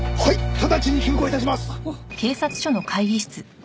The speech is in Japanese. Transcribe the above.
直ちに急行致します！